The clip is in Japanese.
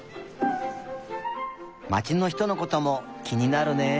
まちのひとのこともきになるねえ。